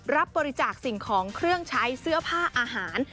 รับบริจาคสิ่งของเครื่องใช้เสื้อผ้าอาหาร